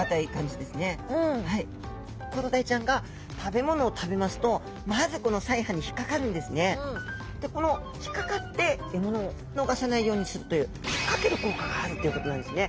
コロダイちゃんが食べ物を食べますとでこの引っかかって獲物を逃さないようにするという引っかける効果があるっていうことなんですね。